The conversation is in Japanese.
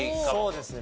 そうですね。